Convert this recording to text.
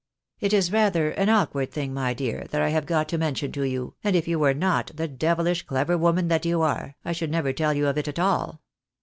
" It is rather an awkward thing, my dear, that I have got to mention to you, and if you were not the devilish clever woman that you are, I should never tell you of it at all.